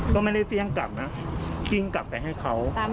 ก็ไม่ได้เฟี่ยงกลับนะคิ้งกลับไปให้เขา